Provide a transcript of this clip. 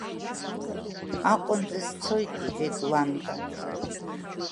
Аҟәанӡа сцоит, — иҳәеит Ланба.